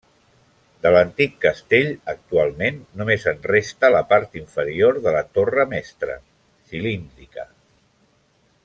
De l'antic castell actualment només en resta la part inferior de la torre mestra, cilíndrica.